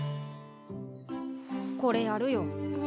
これやるよ。